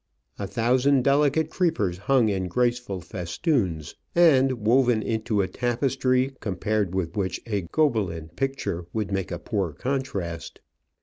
A thousand delicate creepers hung in graceful festoons, and woven into a tapestry compared with which a Gobelin picture would make a poor contrast.